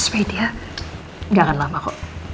just wait dia nggak akan lama kok